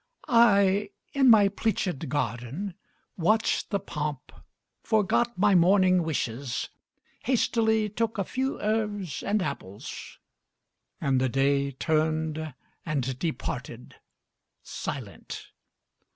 I, in my pleached garden, watched the pomp, Forgot my morning wishes, hastily Took a few herbs and apples, and the Day Turned and departed silent.